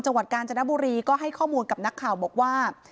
จังหวัดกาญจนบุรีก็ให้ข้อมูลกับนักข่าวบอกว่า